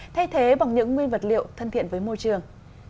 thay thế bằng những nguyên vật liệu thân thiện với môi trường